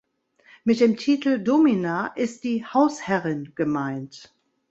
Mit dem Titel "Domina" ist die "Hausherrin" gemeint.